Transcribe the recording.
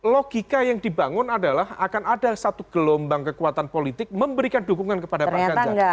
logika yang dibangun adalah akan ada satu gelombang kekuatan politik memberikan dukungan kepada pak ganjar